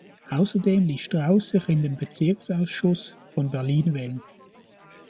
Außerdem ließ Strauß sich in den Bezirksausschuss von Berlin wählen.